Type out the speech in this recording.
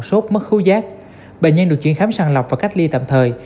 sốt mất khu giác bệnh nhân được chuyển khám sàng lọc và cách ly tạm thời